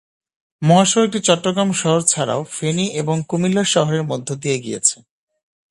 মহাসড়কটি চট্টগ্রাম শহর ছাড়াও ফেনী এবং কুমিল্লা শহরের মধ্যে দিয়ে গিয়েছে।